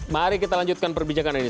mari kita lanjutkan perbincangan ini